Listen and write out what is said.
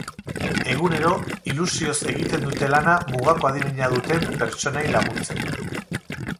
Egunero, ilusioz egiten dute lana mugako adimena duten pertsonei laguntzen.